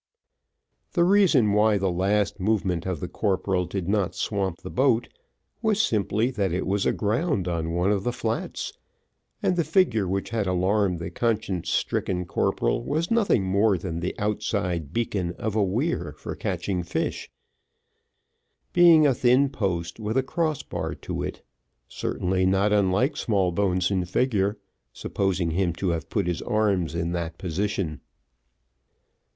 The reason why the last movement of the corporal did not swamp the boat, was simply that it was aground on one of the flats; and the figure which had alarmed the conscience stricken corporal, was nothing more than the outside beacon of a weir for catching fish, being a thin post with a cross bar to it, certainly not unlike Smallbones in figure, supposing him to have put his arms in that position.